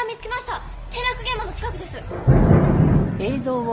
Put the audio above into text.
転落現場の近くです。